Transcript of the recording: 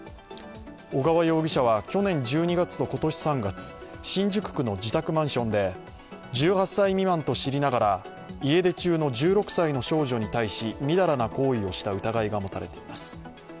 小川容疑者は去年１２月と今年３月、新宿区の自宅マンションで１８歳未満と知りながら家出中の１６歳の少女に対し淫らな行為をした疑いが持たれています。